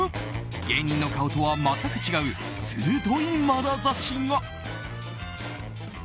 芸人の顔とは全く違う鋭いまなざしが。